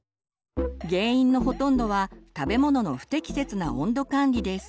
原因のほとんどは食べ物の不適切な温度管理です。